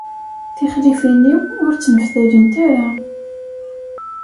Tixlifin-iw ur ttneftalent ara.